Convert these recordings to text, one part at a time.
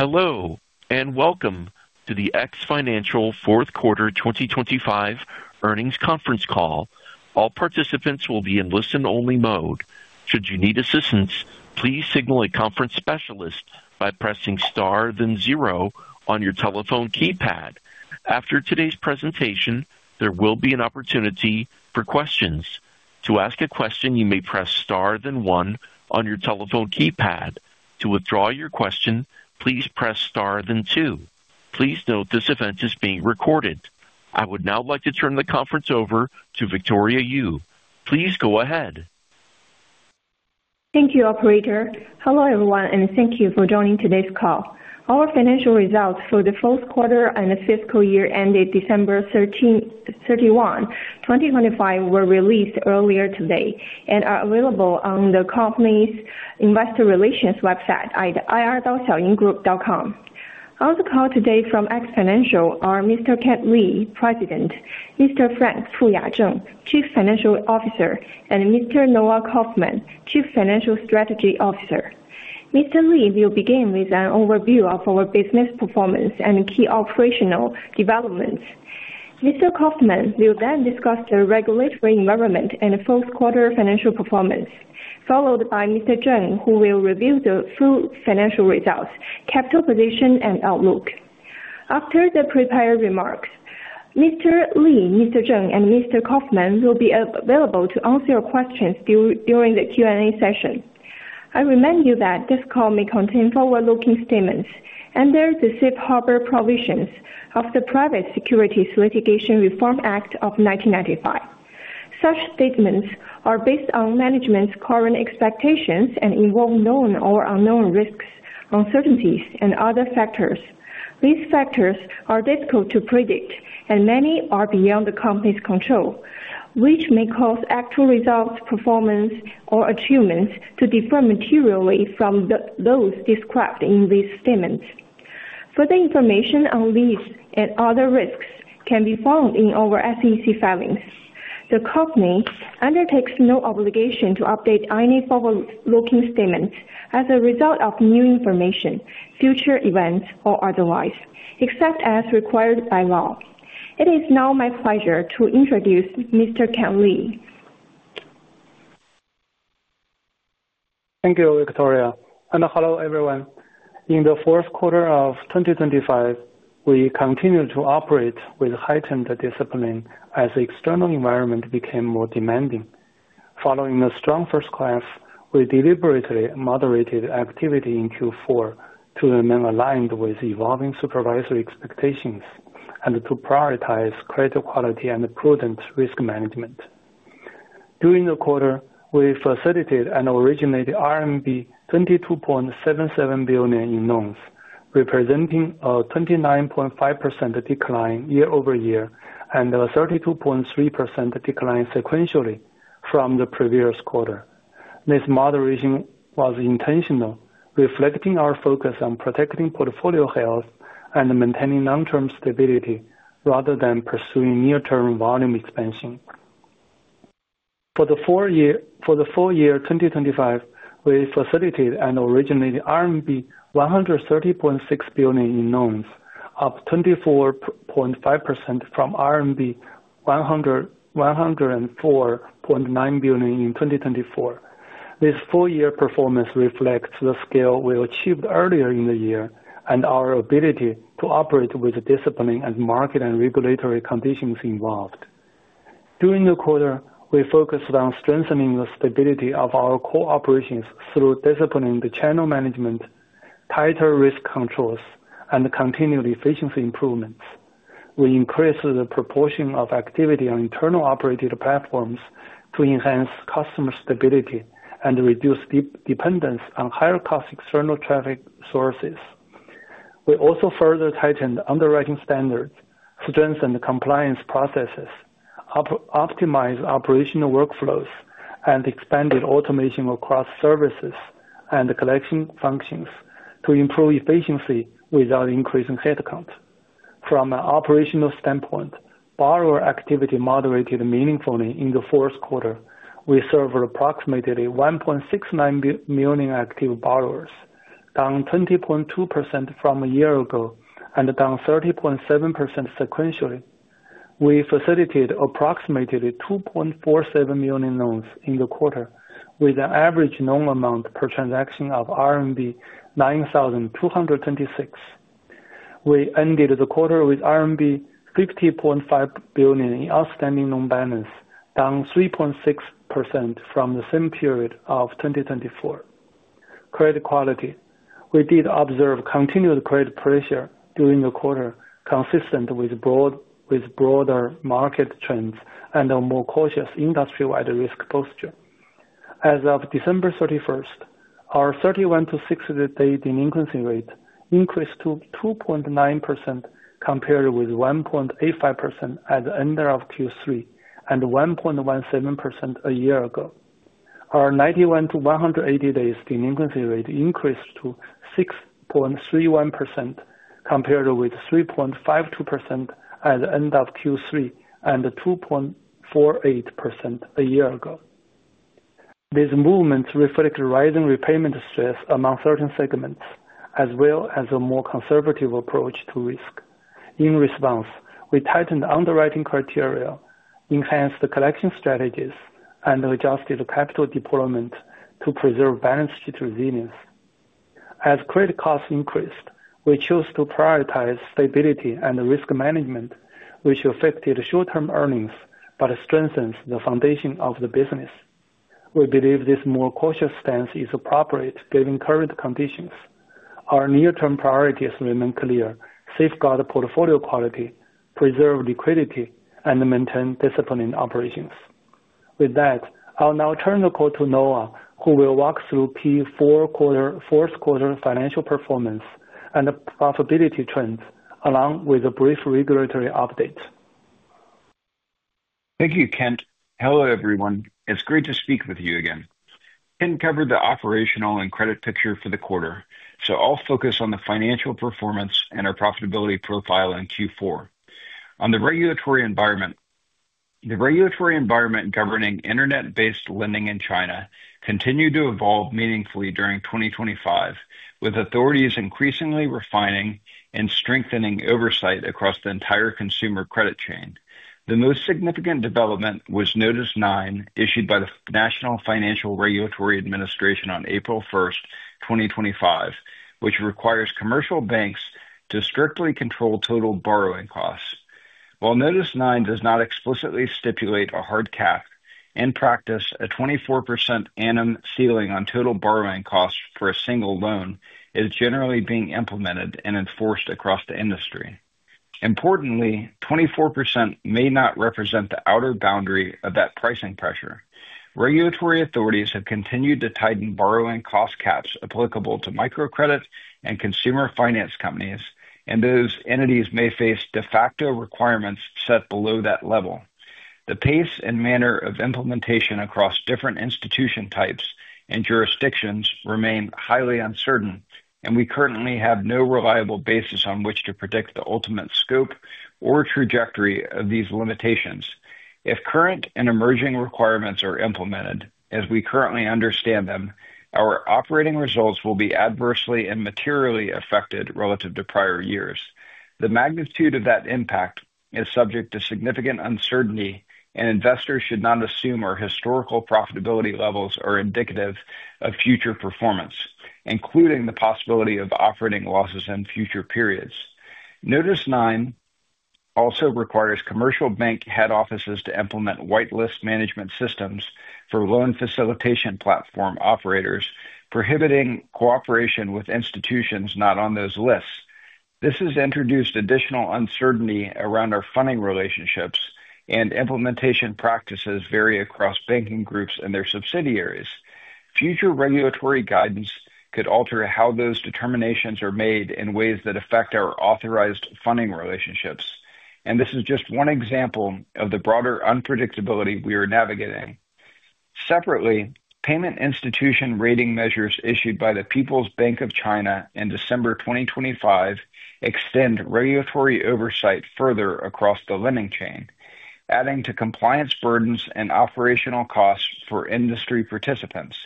Hello, and welcome to the X Financial fourth quarter 2025 earnings conference call. All participants will be in listen-only mode. Should you need assistance, please signal a conference specialist by pressing star then zero on your telephone keypad. After today's presentation, there will be an opportunity for questions. To ask a question, you may press star then one on your telephone keypad. To withdraw your question, please press star then two. Please note this event is being recorded. I would now like to turn the conference over to Victoria Yu. Please go ahead. Thank you, operator. Hello, everyone, and thank you for joining today's call. Our financial results for the fourth quarter and the fiscal year ended December 31, 2025 were released earlier today and are available on the company's investor relations website at ir.xiaoyinggroup.com. On the call today from X Financial are Mr. Kan Li, President, Mr. Frank Fuya Zheng, Chief Financial Officer, and Mr. Noah Kauffman, Chief Financial Strategy Officer. Mr. Lee will begin with an overview of our business performance and key operational developments. Mr. Kauffman will then discuss the regulatory environment and fourth quarter financial performance, followed by Mr. Zheng, who will review the full financial results, capital position and outlook. After the prepared remarks, Mr. Lee, Mr. Zheng, and Mr. Kauffman will be available to answer your questions during the Q&A session. I remind you that this call may contain forward-looking statements under the Safe Harbor provisions of the Private Securities Litigation Reform Act of 1995. Such statements are based on management's current expectations and involve known or unknown risks, uncertainties, and other factors. These factors are difficult to predict and many are beyond the company's control, which may cause actual results, performance, or achievements to differ materially from those described in these statements. Further information on these and other risks can be found in our SEC filings. The company undertakes no obligation to update any forward-looking statements as a result of new information, future events, or otherwise, except as required by law. It is now my pleasure to introduce Mr. Kan Li. Thank you, Victoria, and hello, everyone. In the fourth quarter of 2025, we continued to operate with heightened discipline as the external environment became more demanding. Following a strong first half, we deliberately moderated activity in Q4 to remain aligned with evolving supervisory expectations and to prioritize credit quality and prudent risk management. During the quarter, we facilitated and originated RMB 22.77 billion in loans, representing a 29.5% decline year-over-year and a 32.3% decline sequentially from the previous quarter. This moderation was intentional, reflecting our focus on protecting portfolio health and maintaining long-term stability rather than pursuing near-term volume expansion. For the full year 2025, we facilitated and originated RMB 130.6 billion in loans, up 24.5% from 104.9 billion in 2024. This full year performance reflects the scale we achieved earlier in the year and our ability to operate with discipline as market and regulatory conditions evolved. During the quarter, we focused on strengthening the stability of our core operations through disciplined channel management, tighter risk controls, and continued efficiency improvements. We increased the proportion of activity on internal operated platforms to enhance customer stability and reduce dependence on higher cost external traffic sources. We also further tightened underwriting standards to strengthen the compliance processes, optimize operational workflows, and expanded automation across services and collection functions to improve efficiency without increasing headcount. From an operational standpoint, borrower activity moderated meaningfully in the fourth quarter. We served approximately 1.69 million active borrowers, down 20.2% from a year ago and down 30.7% sequentially. We facilitated approximately 2.47 million loans in the quarter, with an average loan amount per transaction of RMB 9,226. We ended the quarter with RMB 50.5 billion in outstanding loan balance, down 3.6% from the same period of 2024. Credit quality. We did observe continued credit pressure during the quarter, consistent with broader market trends and a more cautious industry-wide risk posture. As of December 31, our 31 to 60 day delinquency rate increased to 2.9% compared with 1.85% at the end of Q3, and 1.17% a year ago. Our 91 to 180 day delinquency rate increased to 6.31% compared with 3.52% at the end of Q3, and 2.48% a year ago. These movements reflect rising repayment stress among certain segments, as well as a more conservative approach to risk. In response, we tightened underwriting criteria, enhanced the collection strategies, and adjusted capital deployment to preserve balance sheet resilience. As credit costs increased, we chose to prioritize stability and risk management, which affected short-term earnings but strengthens the foundation of the business. We believe this more cautious stance is appropriate given current conditions. Our near-term priorities remain clear, safeguard portfolio quality, preserve liquidity, and maintain discipline in operations. With that, I'll now turn the call to Noah Kauffman, who will walk through fourth quarter financial performance and profitability trends, along with a brief regulatory update. Thank you, Kan. Hello, everyone. It's great to speak with you again. Kan covered the operational and credit picture for the quarter, so I'll focus on the financial performance and our profitability profile in Q4. On the regulatory environment, the regulatory environment governing Internet-based lending in China continued to evolve meaningfully during 2025, with authorities increasingly refining and strengthening oversight across the entire consumer credit chain. The most significant development was Notice Nine, issued by the National Financial Regulatory Administration on April 1, 2025, which requires commercial banks to strictly control total borrowing costs. While Notice Nine does not explicitly stipulate a hard cap, in practice, a 24% per annum ceiling on total borrowing costs for a single loan is generally being implemented and enforced across the industry. Importantly, 24% may not represent the outer boundary of that pricing pressure. Regulatory authorities have continued to tighten borrowing cost caps applicable to microcredit and consumer finance companies, and those entities may face de facto requirements set below that level. The pace and manner of implementation across different institution types and jurisdictions remain highly uncertain, and we currently have no reliable basis on which to predict the ultimate scope or trajectory of these limitations. If current and emerging requirements are implemented as we currently understand them, our operating results will be adversely and materially affected relative to prior years. The magnitude of that impact is subject to significant uncertainty, and investors should not assume our historical profitability levels are indicative of future performance, including the possibility of operating losses in future periods. Notice Nine also requires commercial bank head offices to implement whitelist management systems for loan facilitation platform operators, prohibiting cooperation with institutions not on those lists. This has introduced additional uncertainty around our funding relationships, and implementation practices vary across banking groups and their subsidiaries. Future regulatory guidance could alter how those determinations are made in ways that affect our authorized funding relationships. This is just one example of the broader unpredictability we are navigating. Separately, payment institution rating measures issued by the People's Bank of China in December 2025 extend regulatory oversight further across the lending chain, adding to compliance burdens and operational costs for industry participants.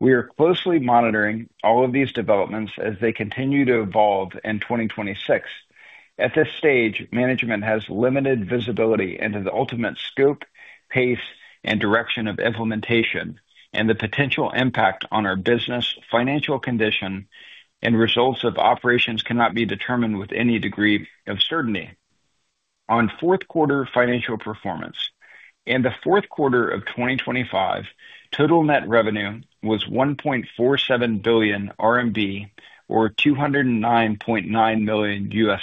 We are closely monitoring all of these developments as they continue to evolve in 2026. At this stage, management has limited visibility into the ultimate scope, pace and direction of implementation, and the potential impact on our business, financial condition and results of operations cannot be determined with any degree of certainty. On fourth quarter financial performance. In the fourth quarter of 2025, total net revenue was 1.47 billion RMB, or $209.9 million,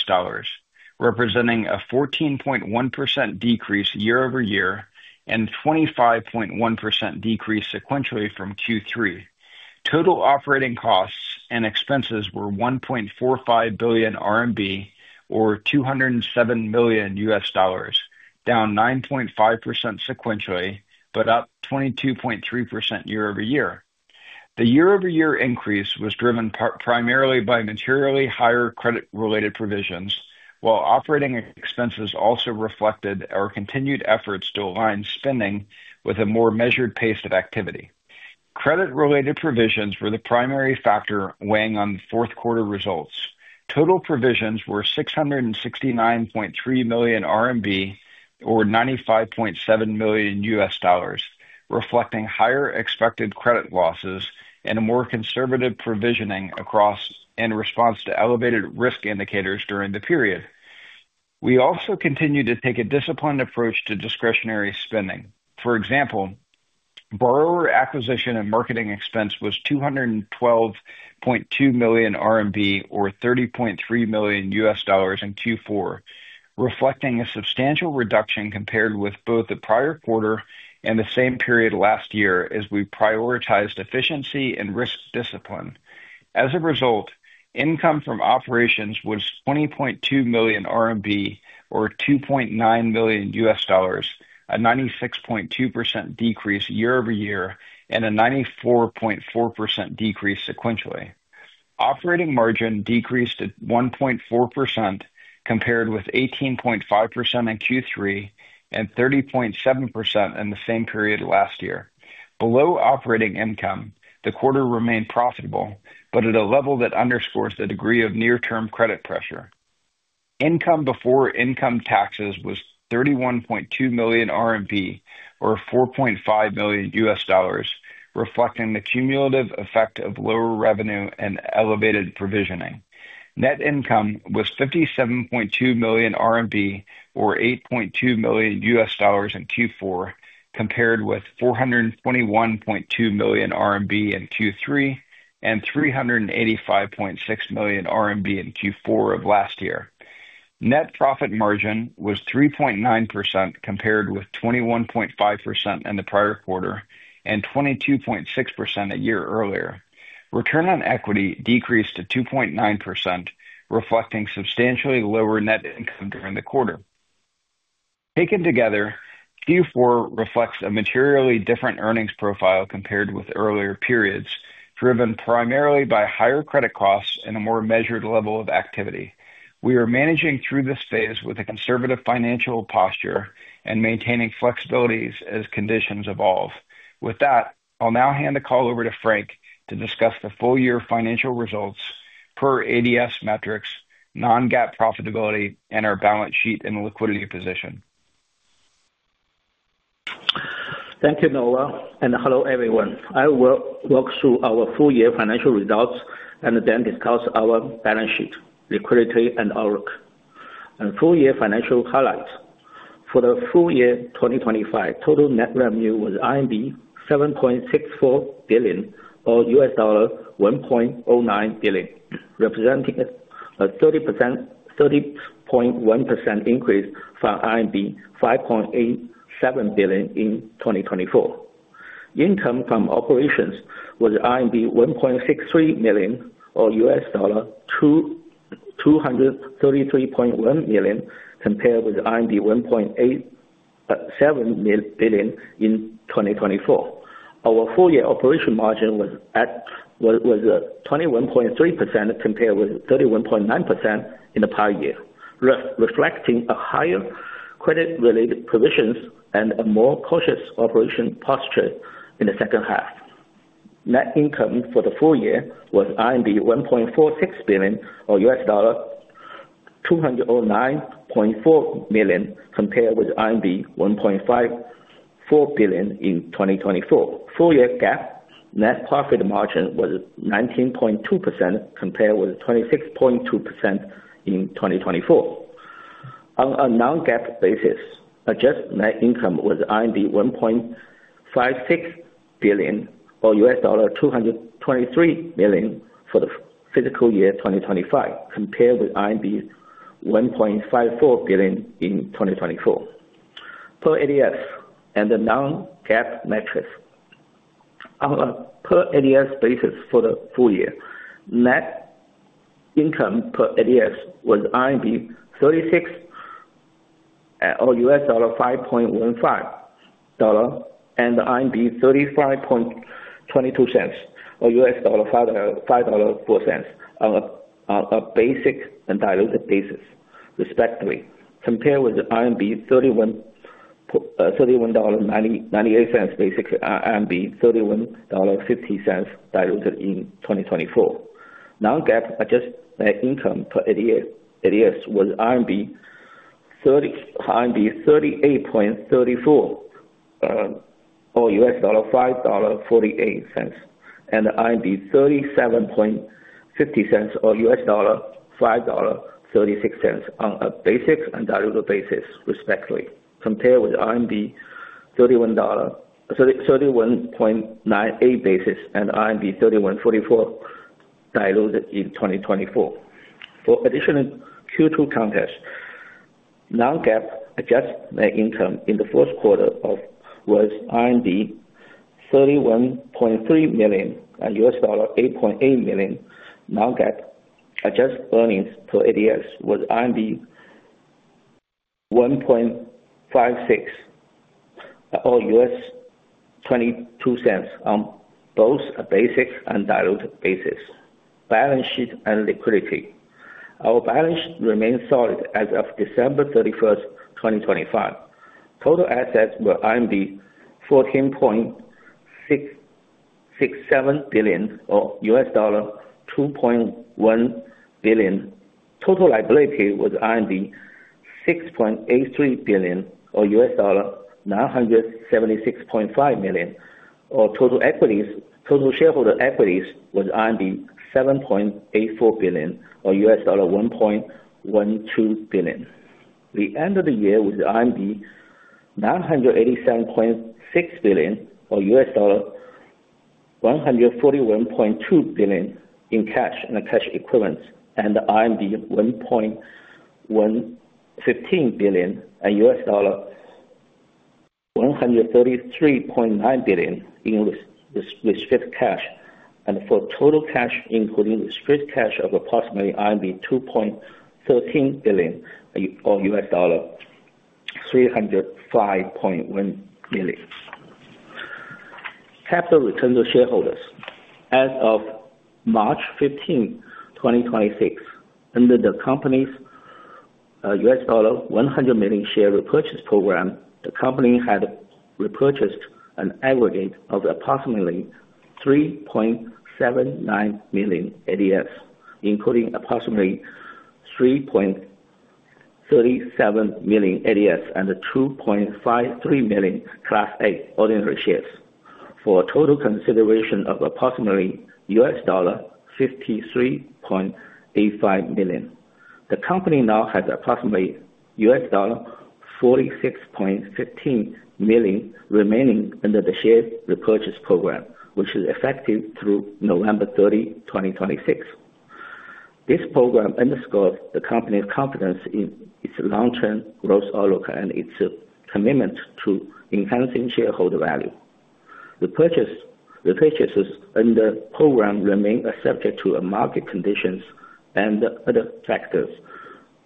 representing a 14.1% decrease year-over-year and 25.1% decrease sequentially from Q3. Total operating costs and expenses were 1.45 billion RMB or $207 million, down 9.5% sequentially, but up 22.3% year-over-year. The year-over-year increase was driven primarily by materially higher credit related provisions, while operating expenses also reflected our continued efforts to align spending with a more measured pace of activity. Credit related provisions were the primary factor weighing on the fourth quarter results. Total provisions were 669.3 million RMB, or $95.7 million, reflecting higher expected credit losses and a more conservative provisioning across in response to elevated risk indicators during the period. We also continued to take a disciplined approach to discretionary spending. For example, borrower acquisition and marketing expense was 212.2 million RMB, or $30.3 million in Q4, reflecting a substantial reduction compared with both the prior quarter and the same period last year as we prioritized efficiency and risk discipline. As a result, income from operations was 20.2 million RMB or $2.9 million, a 96.2% decrease year-over-year and a 94.4% decrease sequentially. Operating margin decreased to 1.4% compared with 18.5% in Q3 and 30.7% in the same period last year. Below operating income, the quarter remained profitable, but at a level that underscores the degree of near-term credit pressure. Income before income taxes was 31.2 million RMB, or $4.5 million, reflecting the cumulative effect of lower revenue and elevated provisioning. Net income was 57.2 million RMB, or $8.2 million in Q4, compared with 421.2 million RMB in Q3 and 385.6 million RMB in Q4 of last year. Net profit margin was 3.9% compared with 21.5% in the prior quarter and 22.6% a year earlier. Return on Equity decreased to 2.9%, reflecting substantially lower net income during the quarter. Taken together, Q4 reflects a materially different earnings profile compared with earlier periods, driven primarily by higher credit costs and a more measured level of activity. We are managing through this phase with a conservative financial posture and maintaining flexibilities as conditions evolve. With that, I'll now hand the call over to Frank to discuss the full year financial results per ADS metrics, non-GAAP profitability, and our balance sheet and liquidity position. Thank you, Noah, and hello, everyone. I will walk through our full year financial results and then discuss our balance sheet, liquidity and outlook. Full year financial highlights. For the full year 2025, total net revenue was 7.64 billion or $1.09 billion, representing a 30.1% increase from RMB 5.87 billion in 2024. Income from operations was RMB 1.63 billion or $233.1 million compared with RMB 1.87 billion in 2024. Our full year operating margin was 21.3% compared with 31.9% in the prior year, reflecting a higher credit-related provisions and a more cautious operational posture in the second half. Net income for the full year was 1.46 billion or $209.4 million, compared with 1.54 billion in 2024. Full year GAAP net profit margin was 19.2% compared with 26.2% in 2024. On a non-GAAP basis, adjusted net income was 1.56 billion or $223 million for the fiscal year 2025, compared with RMB 1.54 billion in 2024. Per ADS and the non-GAAP metrics. On a per ADS basis for the full year, net income per ADS was RMB 36 or $5.15 and RMB 35.22 or $5.04 on a basic and diluted basis, respectively, compared with RMB 31.98 basic and RMB 31.50 diluted in 2024. For additional Q2 context, non-GAAP adjusted net income in the first quarter was RMB 31.3 million and $8.8 million. Non-GAAP adjusted earnings per ADS was RMB 1.56 or $0.22 on both a basic and diluted basis. Balance sheet and liquidity. Our balance sheet remains solid as of December 31, 2025. Total assets were 14.667 billion or $2.1 billion. Total liability was 6.83 billion or $976.5 million. Total shareholder equities was 7.84 billion or $1.12 billion. the end of the year with the 987.6 billion or $141.2 billion in cash and cash equivalents, and RMB 115 billion and $133.9 billion in restricted cash, and total cash, including restricted cash of approximately 2.13 billion or $305.1 billion. Capital return to shareholders. As of March 15, 2026, under the company's $100 million share repurchase program, the company had repurchased an aggregate of approximately 3.79 million ADS, including approximately 3.37 million ADS and 2.53 million Class A ordinary shares for a total consideration of approximately $53.85 million. The company now has approximately $46.15 million remaining under the share repurchase program, which is effective through November 30, 2026. This program underscores the company's confidence in its long-term growth outlook and its commitment to enhancing shareholder value. The repurchases under the program remain subject to market conditions and other factors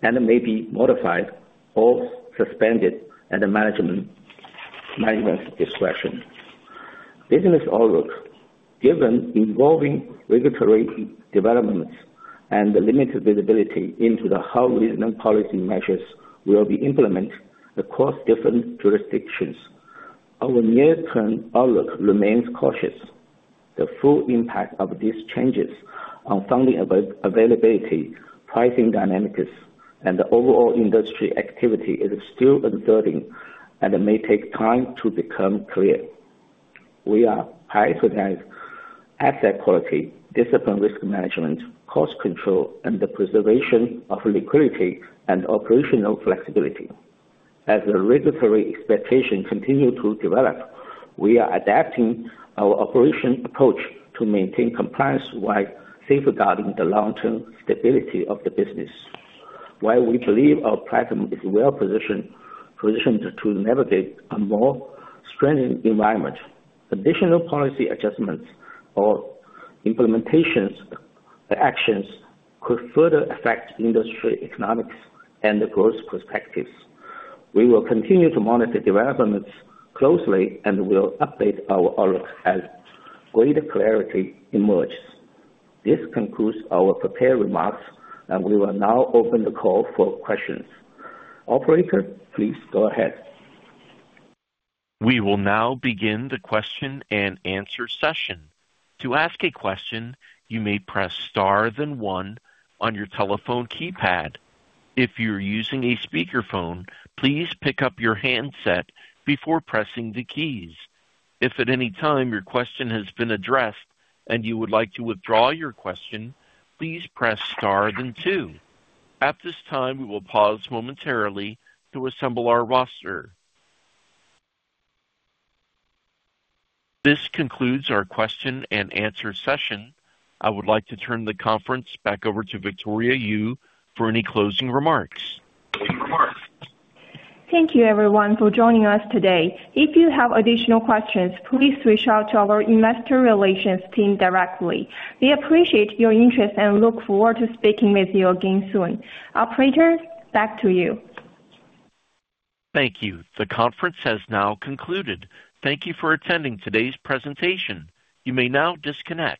and may be modified or suspended at management's discretion. Business outlook. Given evolving regulatory developments and the limited visibility into how regional policy measures will be implemented across different jurisdictions, our near-term outlook remains cautious. The full impact of these changes on funding availability, pricing dynamics, and the overall industry activity is still uncertain and may take time to become clear. We are prioritizing asset quality, disciplined risk management, cost control, and the preservation of liquidity and operational flexibility. As the regulatory expectations continue to develop, we are adapting our operation approach to maintain compliance while safeguarding the long-term stability of the business. While we believe our platform is well-positioned to navigate a more stringent environment, additional policy adjustments or implementation actions could further affect industry economics and the growth prospects. We will continue to monitor developments closely and will update our outlook as greater clarity emerges. This concludes our prepared remarks, and we will now open the call for questions. Operator, please go ahead. We will now begin the question-and-answer session. To ask a question, you may press star then one on your telephone keypad. If you're using a speakerphone, please pick up your handset before pressing the keys. If at any time your question has been addressed and you would like to withdraw your question, please press star then two. At this time, we will pause momentarily to assemble our roster. This concludes our question-and-answer session. I would like to turn the conference back over to Victoria Yu for any closing remarks. Thank you, everyone, for joining us today. If you have additional questions, please reach out to our investor relations team directly. We appreciate your interest and look forward to speaking with you again soon. Operator, back to you. Thank you. The conference has now concluded. Thank you for attending today's presentation. You may now disconnect.